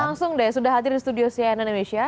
langsung deh sudah hadir di studio cnn indonesia